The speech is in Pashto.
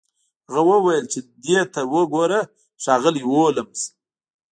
هغه وویل چې دې ته وګوره ښاغلی هولمز